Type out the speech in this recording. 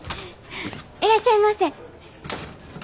いらっしゃいませ。